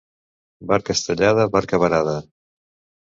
Barca estellada, barca varada.